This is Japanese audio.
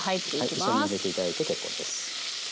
一緒に入れて頂いて結構です。